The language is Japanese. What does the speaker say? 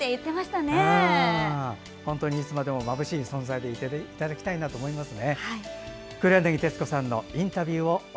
本当にいつまでもまぶしい存在でいていただきたいですね。